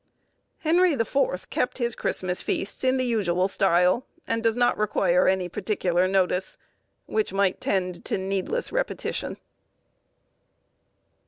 Henry the Fourth kept his Christmas feasts in the usual style, and does not require any particular notice, which might tend to needless repetition.